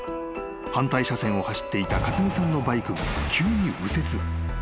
［反対車線を走っていた勝美さんのバイクが急に右折］